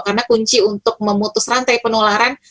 karena kunci untuk memutus rantai penularan